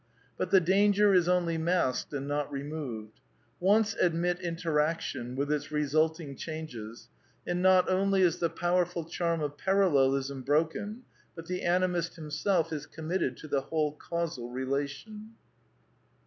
Eut the danger is only masked and not removed. Once admit interaction, with its result \ ing changes, and not only is the powerful charm of Paral I lelism broken, but the Animist himself is committed to I the whole causal relation.